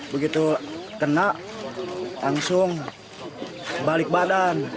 begitu kena langsung balik badan